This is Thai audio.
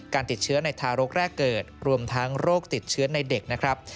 ติดเชื้อในทารกแรกเกิดรวมทั้งโรคติดเชื้อในเด็กนะครับ